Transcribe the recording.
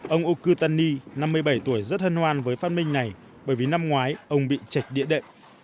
ông okutani năm mươi bảy tuổi rất hân hoan với phát minh này bởi vì năm ngoái ông bị chạch địa đệ